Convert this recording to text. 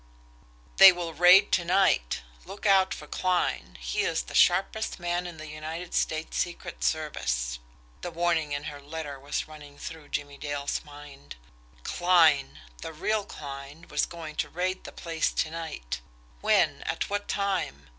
"They will raid to night. Look out for Kline, he is the sharpest man in the United State secret service" the warning in her letter was running through Jimmie Dale's mind. Kline the real Kline was going to raid the place to night. When? At what time?